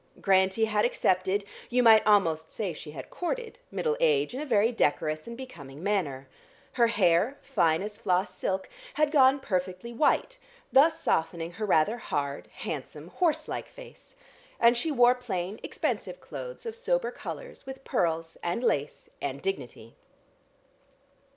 Grantie had accepted (you might almost say she had courted) middle age in a very decorous and becoming manner: her hair, fine as floss silk had gone perfectly white, thus softening her rather hard, handsome horse like face, and she wore plain expensive clothes of sober colours with pearls and lace and dignity.